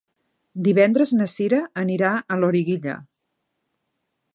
Divendres na Cira anirà a Loriguilla.